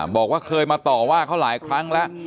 บอกว่าเคยมาต่อว่าเขาหลายครั้งแล้ว